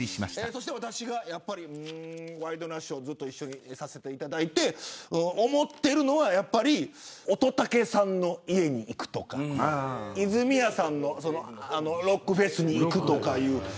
そして私がワイドナショー一緒に出させていただいて思ってるのはやっぱり乙武さんの家に行くとか泉谷さんのロックフェスに行くとか。